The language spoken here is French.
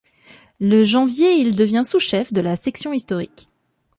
Le janvier il devient sous-chef de la section historique.